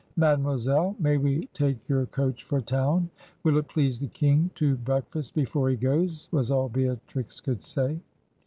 ... Mademoiselle, may we take your coach for town?' ' Will it please the king to break fast before he goes?' was all Beatrix could say.